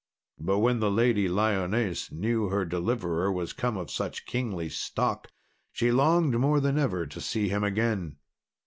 But when the Lady Lyones knew her deliverer was come of such a kingly stock, she longed more than ever to see him again.